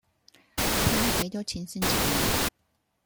睇下幾多錢先至講